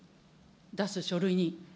出す書類に。